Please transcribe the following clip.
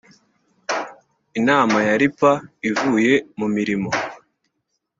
inama ya ripa ivuye mu mirimo.